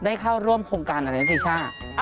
เข้าร่วมโครงการอะไรนะติช่า